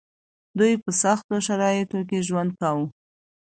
دوی په سختو شرايطو کې ژوند کاوه.